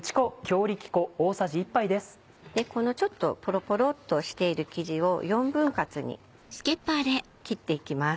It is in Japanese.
このちょっとポロポロっとしている生地を４分割に切っていきます。